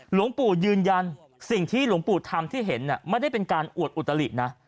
หลวงปู่ยืนยันสิ่งที่หลวงปู่ทำที่เห็นไม่ได้เป็นการอวดอุตลินะ